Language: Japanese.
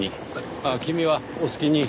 ああ君はお好きに。